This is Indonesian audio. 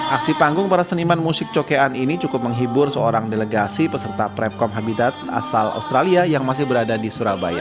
aksi panggung para seniman musik cokean ini cukup menghibur seorang delegasi peserta prepcom habitat asal australia yang masih berada di surabaya